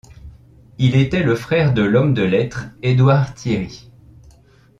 Il était le frère de l’homme de lettres, Édouard Thierry.